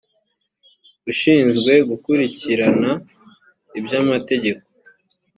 ushinzwe gukurikirana iby amategeko